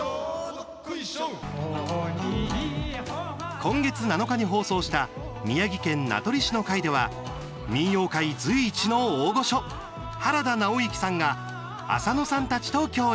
今月７日に放送した宮城県名取市の回では民謡界随一の大御所原田直之さんが浅野さんたちと競演。